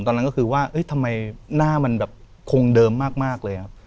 ตอนนั้นก็คือว่าทำไมหน้ามันแบบคงเดิมมากเลยครับ